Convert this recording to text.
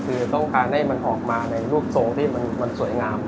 คือต้องการให้มันออกมาในรูปทรงที่มันสวยงาม